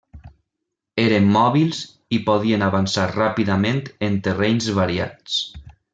Eren mòbils i podien avançar ràpidament en terrenys variats.